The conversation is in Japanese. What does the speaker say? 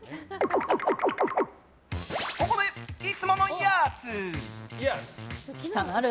ここで、いつものやーつ！